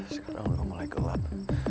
sekarang udah mulai gelap